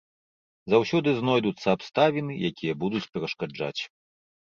Заўсёды знойдуцца абставіны, якія будуць перашкаджаць.